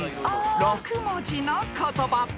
［６文字の言葉］